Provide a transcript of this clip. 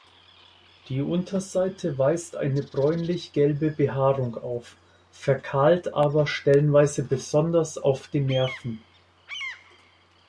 Die Unterseite weist eine bräunlich-gelbe Behaarung auf, verkahlt aber stellenweise, besonders auf den Nerven.